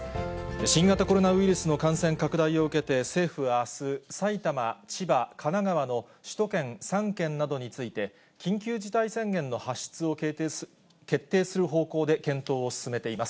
新型コロナウイルスの感染拡大を受けて、政府はあす、埼玉、千葉、神奈川の首都圏３県などについて、緊急事態宣言の発出を決定する方向で検討を進めています。